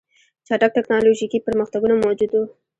چټک ټکنالوژیکي پرمختګونه موجود وو